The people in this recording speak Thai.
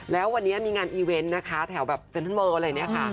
แล้ววันนี้มีงานอีเวนต์นะคะแถวแบบเซ็นทรัลเลิลอะไรเนี่ยค่ะ